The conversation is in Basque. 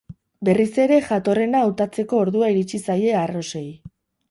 Berriz ere jatorrena hautatzeko ordua iritsi zaie arrosei.